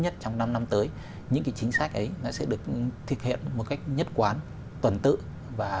nhất trong năm năm tới những cái chính sách ấy nó sẽ được thực hiện một cách nhất quán tuần tự và